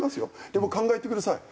でも考えてください。